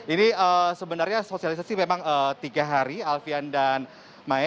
ini sebenarnya sosialisasi memang tiga hari alfian dan maya